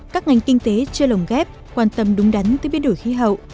các ngành kinh tế chưa lồng ghép quan tâm đúng đắn tới biến đổi khí hậu